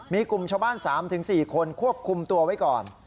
มีกลุ่มชาวบ้าน๓๔คนควบคุมตัวไว้ก่อน